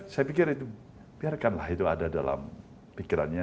saya pikir itu biarkanlah itu ada dalam pikirannya